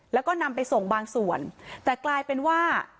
แล้วก็นำไปส่งบางส่วนแต่กลายเป็นว่า